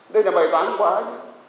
đây là bày toán quá chứ